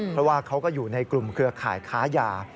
เพราะว่าเขาก็อยู่ในกลุ่มเครือข่ายค้ายา